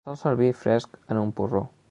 Se sol servir fresc en un porró.